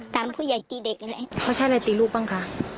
ผู้ใหญ่ตีเด็กอะไรเขาใช้อะไรตีลูกบ้างคะ